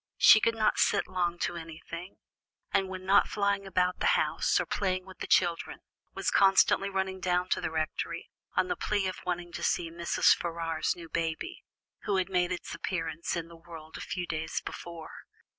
She could not sit long to anything, and when not flying about the house, or playing with the children, was constantly running down to the Rectory, on the plea of wanting to see Mrs. Ferrars's new baby, who had made its appearance in the world a few days before.